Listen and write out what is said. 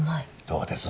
どうです？